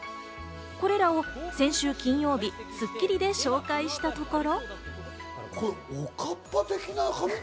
これらを先週金曜日、『スッキリ』で紹介したところ。